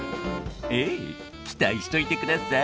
ええ期待しといてください。